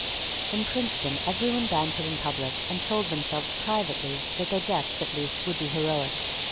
In Princeton every one bantered in public and told themselves privately that their deaths at least would be heroic.